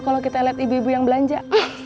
kalau kita lihat ibu ibu yang belanja